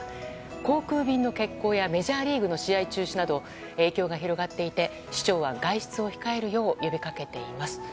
航空便の欠航やメジャーリーグの試合の中止など影響が広がっていて市長は、外出を控えるよう呼びかけています。